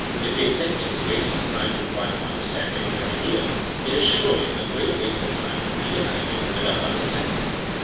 If they thiuk it is wasting time to try to understand every idea, it is surely a greater waste of time to read an idea without understanding it.